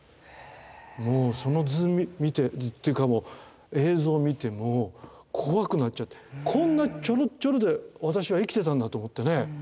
もうその図見てというかもう映像を見てもう怖くなっちゃってこんなちょろちょろで私は生きてたんだと思ってね。